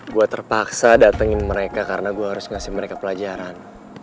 gue terpaksa datengin mereka karena gue harus ngasih mereka pelajaran